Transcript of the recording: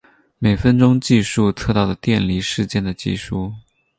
每分钟计数测到的电离事件的计数。